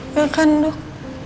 ya kan dok